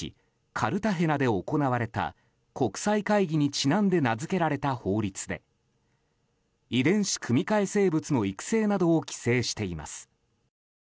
カルタヘナで行われた国際会議にちなんで名づけられた法律で遺伝子組み換え生物の育成などを規制しています。